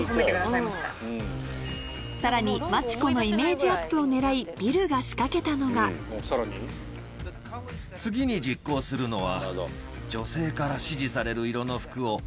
さらに真知子のイメージアップを狙いビルが仕掛けたのが次に実行するのは。